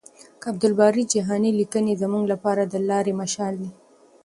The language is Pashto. د عبدالباري جهاني لیکنې زموږ لپاره د لارې مشال دي.